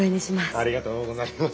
ありがとうございます。